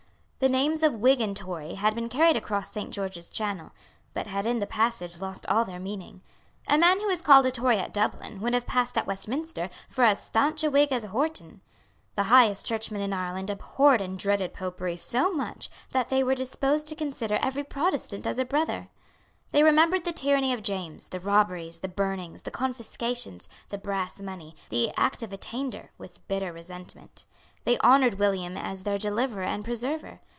The names of Whig and Tory had been carried across Saint George's Channel, but had in the passage lost all their meaning. A man who was called a Tory at Dublin would have passed at Westminster for as stanch a Whig as Wharton. The highest Churchmen in Ireland abhorred and dreaded Popery so much that they were disposed to consider every Protestant as a brother. They remembered the tyranny of James, the robberies, the burnings, the confiscations, the brass money, the Act of Attainder, with bitter resentment. They honoured William as their deliverer and preserver.